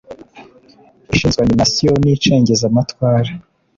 ishinzwe animasiyo n' icengeza matwara.